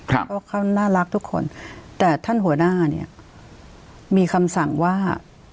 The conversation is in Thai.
เพราะเขาน่ารักทุกคนแต่ท่านหัวหน้าเนี่ยมีคำสั่งว่า